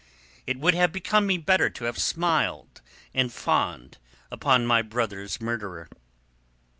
It would have become me better to have smiled and fawned upon my brother's murderer."